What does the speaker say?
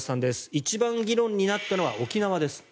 一番議論になったのは沖縄です。